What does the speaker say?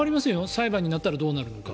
裁判になったらどうなるか。